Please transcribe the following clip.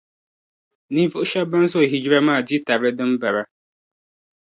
Ninvuɣu shεba ban zo hijira maa di tarili din bara.